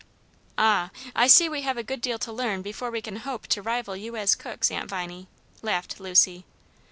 "Ah, I see we have a good deal to learn before we can hope to rival you as cooks, Aunt Viney," laughed Lucy.